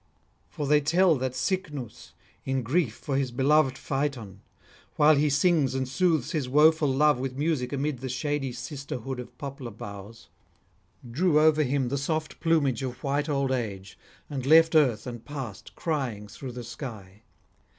For they tell that Cycnus, in grief for his beloved Phaëthon, while he sings and soothes his woeful love with music amid the shady sisterhood of poplar boughs, drew over him the soft plumage of white old age, and left earth and passed crying through the sky.